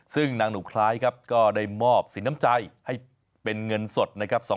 ซึ่งนางหนูคล้ายครับก็ได้มอบสินน้ำใจให้เป็นเงินสดนะครับ